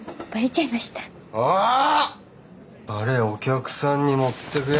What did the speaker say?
あれお客さんに持っていくやつ！